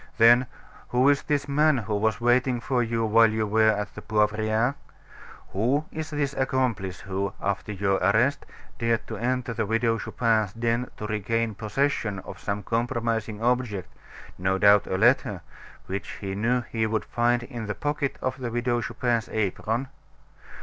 "Then, who is this man who was waiting for you while you were at the Poivriere? Who is this accomplice who, after your arrest, dared to enter the Widow Chupin's den to regain possession of some compromising object no doubt a letter which he knew he would find in the pocket of the Widow Chupin's apron?